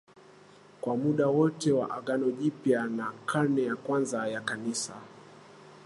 kwa muda wote wa Agano Jipya na karne ya kwanza ya Kanisa